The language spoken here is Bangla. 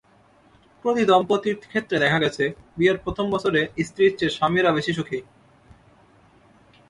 প্রতি দম্পতির ক্ষেত্রে দেখা গেছে, বিয়ের প্রথম বছরে স্ত্রীর চেয়ে স্বামীরা বেশি সুখী।